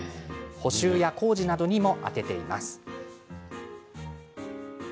補修や工事などにも充てています。